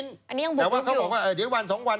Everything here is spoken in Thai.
อันนี้ยังบุกไม่ดูแต่ว่าเขาบอกว่าเดี๋ยววันสองวัน